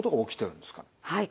はい。